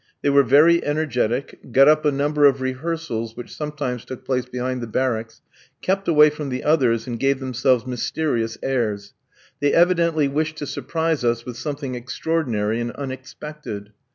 They were very energetic, got up a number of rehearsals which sometimes took place behind the barracks, kept away from the others, and gave themselves mysterious airs. They evidently wished to surprise us with something extraordinary and unexpected.